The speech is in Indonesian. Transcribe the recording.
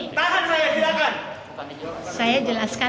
tahan saya silahkan